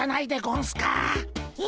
え？